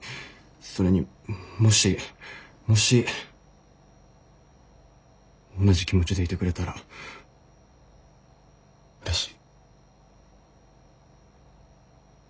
それにもしもし同じ気持ちでいてくれたらうれしい。